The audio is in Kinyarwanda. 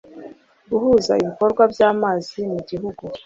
Guhuza ibikorwa by amazi mu gihugu